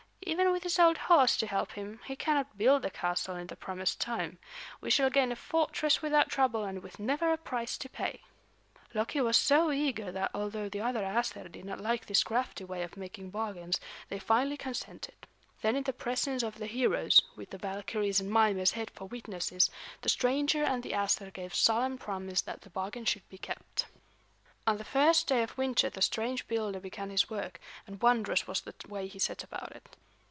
"Even with his old horse to help him, he cannot build the castle in the promised time. We shall gain a fortress without trouble and with never a price to pay." Loki was so eager that, although the other Æsir did not like this crafty way of making bargains, they finally consented. Then in the presence of the heroes, with the Valkyries and Mimer's head for witnesses, the stranger and the Æsir gave solemn promise that the bargain should be kept. On the first day of winter the strange builder began his work, and wondrous was the way he set about it.